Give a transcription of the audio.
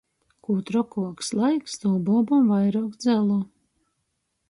Kū trokuoks laiks, tū buobom vairuok dzelu.